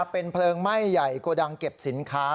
เป็นเพลิงไหม้ใหญ่โกดังเก็บสินค้า